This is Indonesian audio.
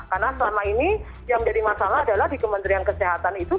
karena selama ini yang menjadi masalah adalah di kementerian kesehatan itu